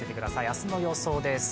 明日の予想です。